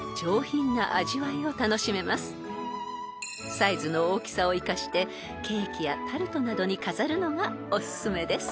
［サイズの大きさを生かしてケーキやタルトなどに飾るのがおすすめです］